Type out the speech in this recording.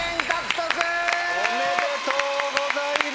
おめでとうございます。